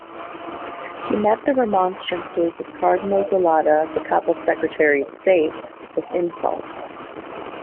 He met the remonstrances of Cardinal Zelada, the Papal Secretary of State, with insults.